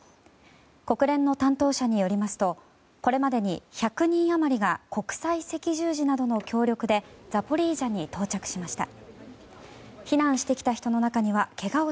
国連の担当者によりますとこれまでに１００人余りが国際赤十字などの協力でザポリージャに到着しました。